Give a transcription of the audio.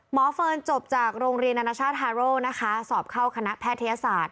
เฟิร์นจบจากโรงเรียนนานาชาติฮาโร่นะคะสอบเข้าคณะแพทยศาสตร์